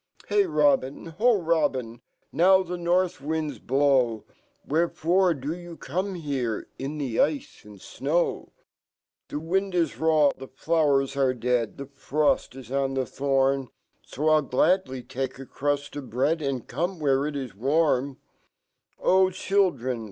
Hey, Robin! ho, Robin! NOW fhe north wind j blow; \Vherefore do you come here In fho ice and jnow ?"" The wind ij raw, fhe flowers are dead The fpofl 15 on fhe fhopn , il gladly take a crust f bread, And come who re it is warm " Oh, Children!